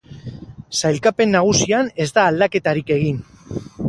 Sailkapen nagusian ez da aldaketarik egin.